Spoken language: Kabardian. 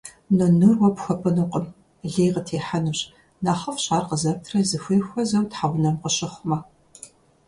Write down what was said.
Нынур уэ пхуэпӀынукъым, лей къытехьэнущ. НэхъыфӀщ ар къызэптрэ зыхуей хуэзэу тхьэунэм къыщыхъумэ.